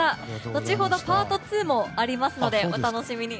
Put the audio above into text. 後ほどＰａｒｔ２もありますのでお楽しみに。